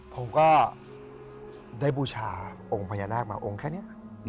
ผมก็ได้บูชาองค์พญานาคมาองค์แค่นี้